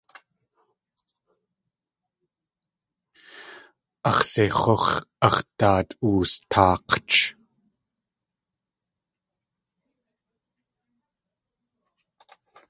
Ax̲ seix̲úx̲ ax̲ daat woostaak̲ch.